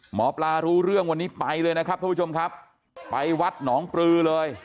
หมอปลารู้เรื่องวันนี้ไปเลยนะครับท่านผู้ชมครับไปวัดหนองปลือเลย